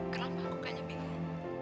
kenapa aku hanya bingung